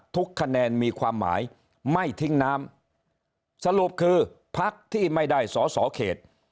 ทุกคะแนนมีความหมายไม่ทิ้งน้ำสรุปคือพักที่ไม่ได้สอสอเขต